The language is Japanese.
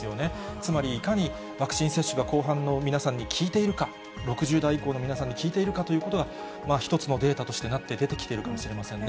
つまりいかにワクチン接種が後半の皆さんに効いているか、６０代以降の皆さんに効いているかということが、一つのデータとしてなって出ているのかもしれませんね。